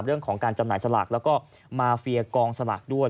เรื่องของการจำหน่ายสลากแล้วก็มาเฟียกองสลากด้วย